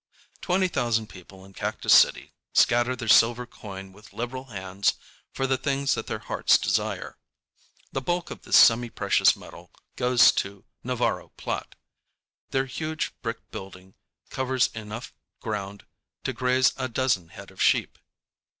Twenty thousand people in Cactus City scatter their silver coin with liberal hands for the things that their hearts desire. The bulk of this semiprecious metal goes to Navarro & Platt. Their huge brick building covers enough ground to graze a dozen head of sheep.